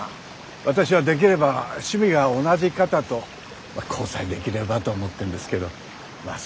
私はできれば趣味が同じ方と交際できればと思ってるんですけどまあ